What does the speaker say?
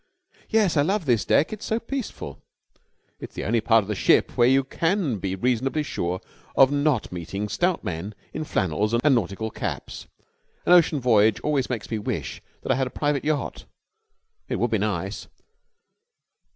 "Yes, I love this deck. It's so peaceful." "It's the only part of the ship where you can be reasonably sure of not meeting stout men in flannels and nautical caps. An ocean voyage always makes me wish that I had a private yacht." "It would be nice."